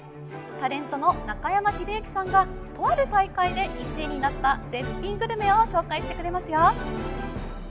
タレントの中山秀征さんがとある大会で１位になった絶品グルメを紹介してくれますよ。